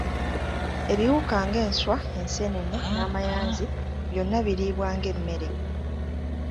"Ebiwuka nga enswa, enseenene n’amayanzi byonna biriibwa nga emmere."